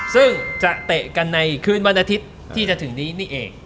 ซึ่งจะเตะกันในคืนวันอาทิตย์ที่จะถึงนี้นี่เอง